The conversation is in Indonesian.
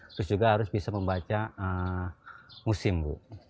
terus juga harus bisa membaca musim bu